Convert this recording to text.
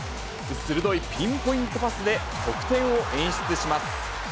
鋭いピンポイントパスで、得点を演出します。